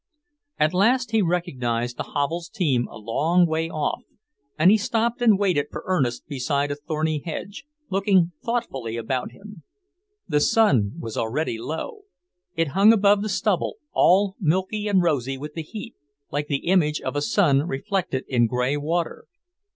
At last he recognized the Havels' team along way off, and he stopped and waited for Ernest beside a thorny hedge, looking thoughtfully about him. The sun was already low. It hung above the stubble, all milky and rosy with the heat, like the image of a sun reflected in grey water.